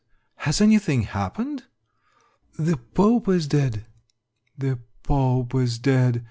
Has anything happened ?"" The pope is dead." " The pope is dead